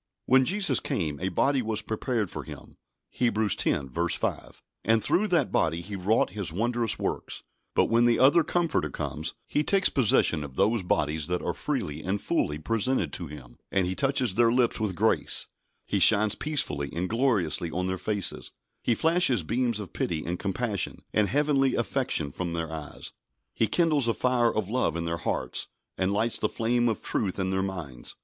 When Jesus came, a body was prepared for Him (Hebrews x. 5), and through that body He wrought His wondrous works; but when the other Comforter comes, He takes possession of those bodies that are freely and fully presented to Him, and He touches their lips with grace; He shines peacefully and gloriously on their faces; He flashes beams of pity and compassion and heavenly affection from their eyes; He kindles a fire of love in their hearts, and lights the flame of truth in their minds.